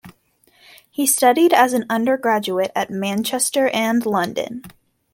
He studied as an undergraduate at Manchester and London.